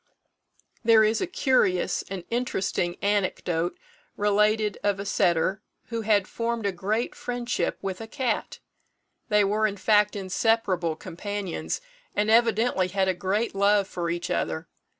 There is a curious and interesting anecdote related of a setter who had formed a great friendship with a cat. They were, in fact, inseparable companions, and evidently had a great love for each other.